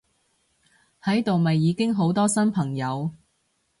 喺度咪已經好多新朋友！